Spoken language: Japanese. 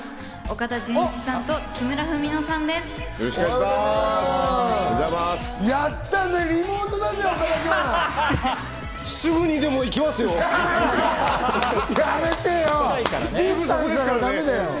岡田准一さんと木村文乃さんです。